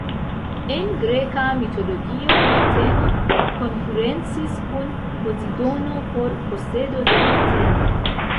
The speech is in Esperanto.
En Greka mitologio, Ateno konkurencis kun Pozidono por posedo de Ateno.